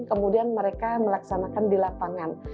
kemudian mereka melaksanakan di lapangan